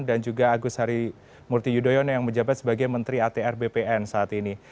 juga agus harimurti yudhoyono yang menjabat sebagai menteri atr bpn saat ini